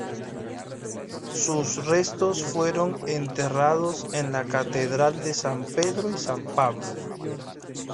Sus restos fueron enterrados en la catedral de San Pedro y San Pablo.